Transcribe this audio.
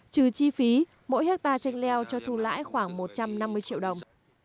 trừ chi phí mỗi hectare chanh leo cho thu lãi khoảng một trăm năm mươi triệu đồng